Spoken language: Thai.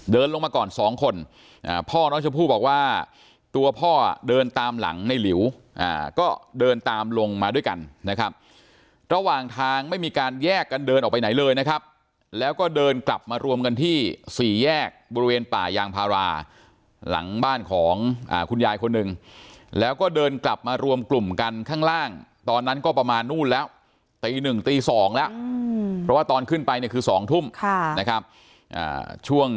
ลงมาก่อนสองคนพ่อน้องชมพู่บอกว่าตัวพ่อเดินตามหลังในหลิวก็เดินตามลงมาด้วยกันนะครับระหว่างทางไม่มีการแยกกันเดินออกไปไหนเลยนะครับแล้วก็เดินกลับมารวมกันที่สี่แยกบริเวณป่ายางพาราหลังบ้านของคุณยายคนหนึ่งแล้วก็เดินกลับมารวมกลุ่มกันข้างล่างตอนนั้นก็ประมาณนู่นแล้วตีหนึ่งตีสองแล้วเพราะว่าตอนขึ้นไปเนี่ยคือ๒ทุ่มนะครับช่วง